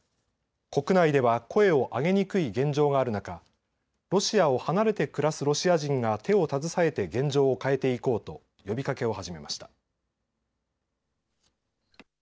国内では声を上げにくい現状がある中、ロシアを離れて暮らすロシア人が手を携えて現状を変えていこうと呼びかけを始めました。